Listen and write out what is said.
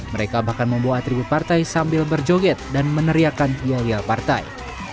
mereka bahkan membawa tribut partai sambil berjoget dan meneriakan ial ial partai